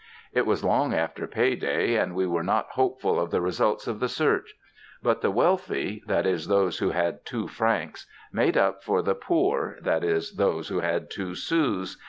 It was long after pay day, and we were not hopeful of the results of the search. But the wealthy (that is, those who had two francs) made up for the poor (that is, those who had two sous).